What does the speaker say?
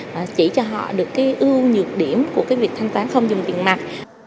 và chỉ cho họ được cái ưu nhược điểm của cái việc thanh toán không dùng tiền mặt